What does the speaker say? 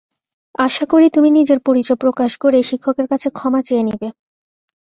আশা করি, তুমি নিজের পরিচয় প্রকাশ করে শিক্ষকের কাছে ক্ষমা চেয়ে নেবে।